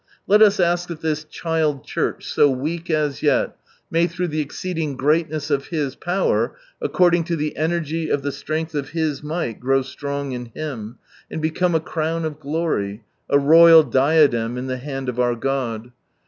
Let us ask that this child church, so weak as yet, may through the exceeding greatness of His power, according to the energy of the strength of His i8o From Sunrise Land might, grow strong in Him, and become a crown of glory, a royal diadem in the hand of our God